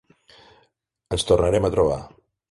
Ens tornarem a trobar.